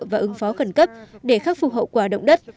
và ứng phó khẩn cấp để khắc phục hậu quả động đất